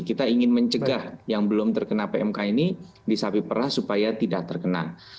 kita ingin mencegah yang belum terkena pmk ini di sapi perah supaya tidak terkena